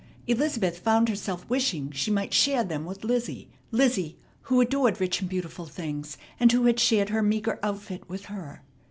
Elizabeth found herself wishing she might share them with Lizzie, Lizzie who adored rich and beautiful things, and who had shared her meagre outfit with her.